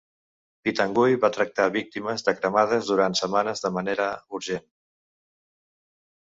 Pitanguy va tractar víctimes de cremades durant setmanes de manera urgent.